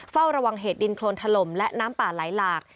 เฝ้าระวังเหตุดินโครนถล่มและน้ำป่าไหลหลาก